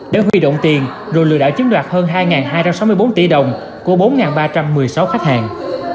để huy động tiền rồi lừa đảo chiếm đoạt hơn hai hai trăm sáu mươi bốn tỷ đồng của bốn ba trăm một mươi sáu khách hàng